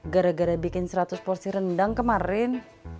gara gara bikin seratus porsi rendang kemarin